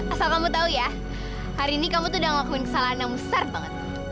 asal kamu tahu ya hari ini kamu tuh udah ngelakuin kesalahan yang besar banget